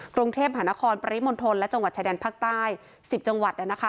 กรุงเทพหานครปริมณฑลและจังหวัดชายแดนภาคใต้๑๐จังหวัด